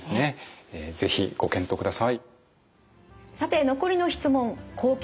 是非ご検討ください。